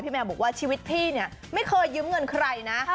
แมวบอกว่าชีวิตพี่เนี่ยไม่เคยยืมเงินใครนะ